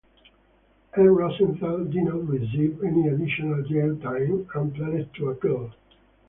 Ed Rosenthal did not receive any additional jail time and planned to appeal.